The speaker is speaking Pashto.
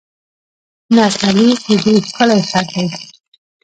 نستعلیق د دوی ښکلی خط دی.